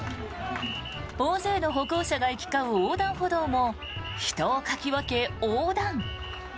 大勢の歩行者が行き交う横断歩道も人をかき分け、横断。